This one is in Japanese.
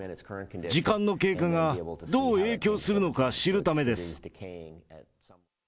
時間の経過がどう影響するのか知るためです。